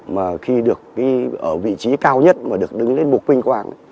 mà khi được ở vị trí cao nhất mà được đứng lên mục vinh quang